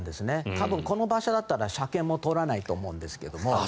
多分、この馬車だったら車検も通らないと思うんですけど。